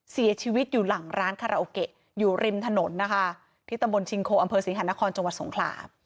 เสียชีวิตอยู่หลังร้านคาราโอเกะอยู่ริมถนนนะคะที่ตำรวจชิงโคอสิงหานครจสงครา